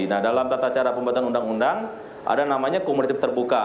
nah dalam tata cara pembuatan undang undang ada namanya komoditib terbuka